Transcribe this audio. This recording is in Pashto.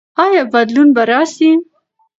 ایا بدلون به راسي؟